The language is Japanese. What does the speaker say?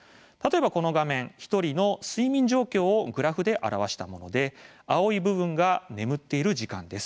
この画面は、１人の睡眠状況をグラフで表したもので青い部分が眠っている時間です。